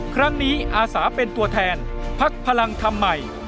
ครั้งนี้อาสาเป็นตัวแทนพักพลังทำใหม่